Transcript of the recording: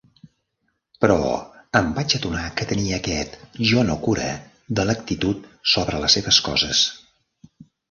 Però em vaig adonar que tenia aquest jo-no-cura de l'actitud sobre les seves coses.